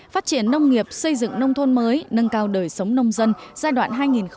phát triển nông nghiệp xây dựng nông thôn mới nâng cao đời sống nông dân giai đoạn hai nghìn một mươi sáu hai nghìn hai mươi